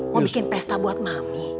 mau bikin pesta buat mami